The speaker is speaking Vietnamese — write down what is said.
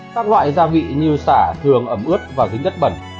các loại gia vị như sả thường ẩm ướt và dính đất bẩn